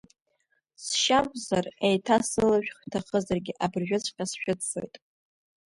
Сшьа акәзар, еиҭасылышәх, шәҭахызаргьы абыржәыҵәҟьа сшәыццоит!